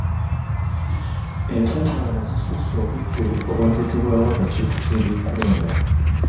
Enkungaana zisusse obudde obwateekebwawo akakiiko k'ebyokulonda.